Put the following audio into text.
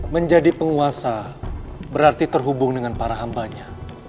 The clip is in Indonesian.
menjadi penguasa berarti terhubung dengan para hambanya